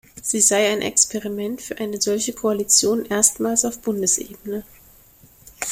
Sie sei ein Experiment für eine solche Koalition erstmals auf Bundesebene.